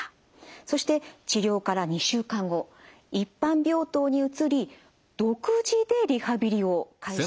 そして治療から２週間後一般病棟に移り独自でリハビリを開始されます。